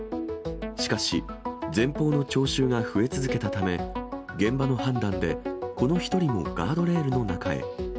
しかし、前方の聴衆が増え続けたため、現場の判断で、この１人もガードレールの中へ。